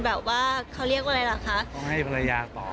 แบบว่าเขาเรียกว่าอะไรล่ะคะ